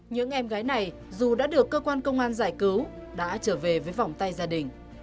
những em gái này dù đã được cơ quan công an giải cứu đã trở về với vòng tay gia đình